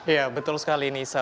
ya betul sekali nisa